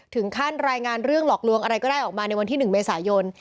ถึงขั้นรายงานเรื่องหลอกลวงอะไรก็ได้ออกมาในวันที่๑เมษายน